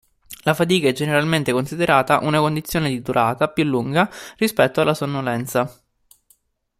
La fatica è generalmente considerata una condizione di durata più lunga rispetto alla sonnolenza.